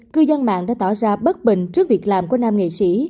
cư dân mạng đã tỏ ra bất bình trước việc làm của nam nghệ sĩ